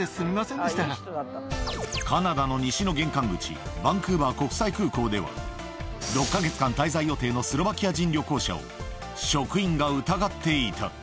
カナダの西の玄関口、バンクーバー国際空港では、６か月間滞在予定のスロバキア人旅行者を、職員が疑っていた。